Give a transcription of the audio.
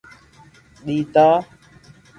ڏیڌا